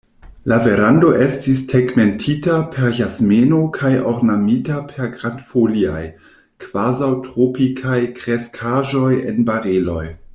La verando estis tegmentita per jasmeno kaj ornamita per grandfoliaj, kvazaŭtropikaj kreskaĵoj en bareloj.